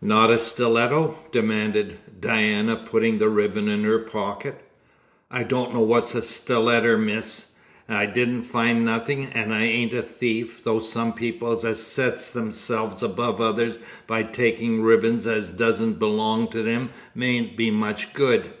"Not a stiletto?" demanded Diana, putting the ribbon in her pocket. "I don't know what's a stiletter, miss; but I didn't find nothing; and I ain't a thief, though some people as sets themselves above others by taking ribbons as doesn't belong to 'em mayn't be much good."